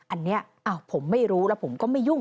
อันนี้ผมไม่รู้แล้วผมก็ไม่ยุ่ง